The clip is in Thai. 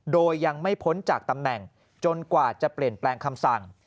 โดยยังไม่พ้นจากตำแหน่งจนกว่าจะเปลี่ยนแปลงคำสั่ง